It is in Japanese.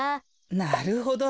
なるほど。